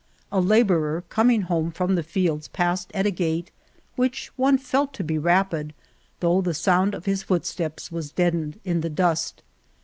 A laborer coming home from the fields passed at a gait, which one felt to be rapid, though the sound of his footsteps was deadened in the dust.